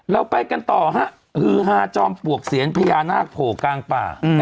แล้วไปกันต่อฮะคือห้าจอมปวกเศียรพญานาคโผล่กลางป่า